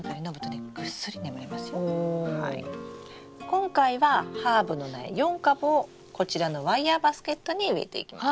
今回はハーブの苗４株をこちらのワイヤーバスケットに植えていきます。